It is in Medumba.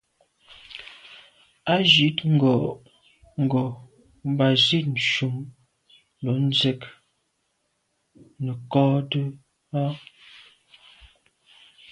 A jíìt ngòó ngò mbā zíìt shùm lo ndzíə́k ncɔ́ɔ̀ʼdə́ a.